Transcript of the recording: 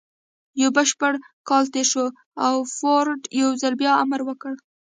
يو بشپړ کال تېر شو او فورډ يو ځل بيا امر وکړ.